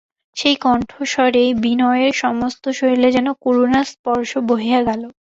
সেই কণ্ঠস্বরেই বিনয়ের সমস্ত শরীরে যেন করুণার স্পর্শ বহিয়া গেল।